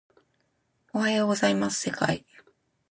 おはようございます世界